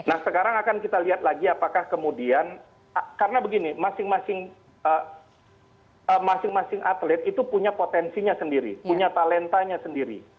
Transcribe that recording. nah sekarang akan kita lihat lagi apakah kemudian karena begini masing masing atlet itu punya potensinya sendiri punya talentanya sendiri